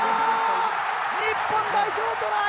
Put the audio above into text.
日本代表トライ！